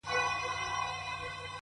لكه گلاب چي سمال ووهي ويده سمه زه،